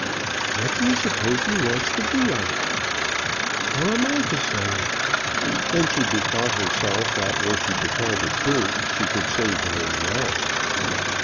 What do you suppose he wants to be at?" "How am I to say?" Then she bethought herself that were she to tell the truth, she could say very well.